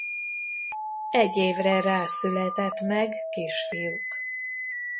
Egy évre rá született meg kisfiuk.